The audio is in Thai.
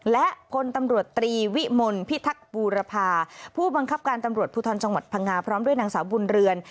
และพลตำรวจตรีวิมลพิทักษ์บูรพาผู้บังคับการตำรวจภูทรจังหวัดพังงาพร้อมด้วยนางสาวบุญเรือน